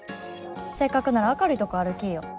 せっかくなら明るいとこ歩きいよ。